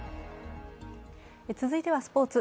続いてはスポーツ。